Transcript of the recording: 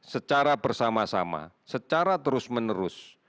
secara bersama sama secara terus menerus